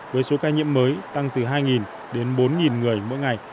với số ca nhiễm mới tăng từ hai đến bốn người mỗi ngày